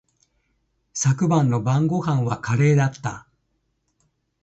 昨日の晩御飯はカレーだった。